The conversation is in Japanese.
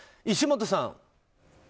石本さん。